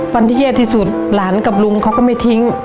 วันที่แย่ที่สุดหลานกับลุงเขาก็ไม่ทิ้ง